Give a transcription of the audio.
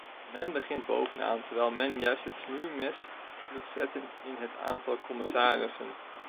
Men begint bovenaan terwijl men juist het snoeimes moet zetten in het aantal commissarissen.